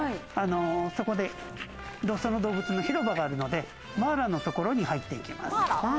そこでその動物の広場があるのでマーラのところに入っていきます。